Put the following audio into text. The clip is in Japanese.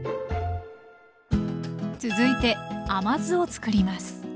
続いて甘酢を作ります。